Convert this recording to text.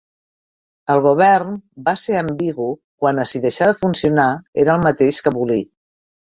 El govern va ser ambigu quant a si "deixar de funcionar" era el mateix que "abolir".